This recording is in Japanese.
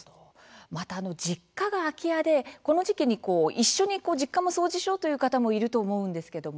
また、実家が空き家でこの時期に一緒に実家も掃除しようという方もいると思うんですけども。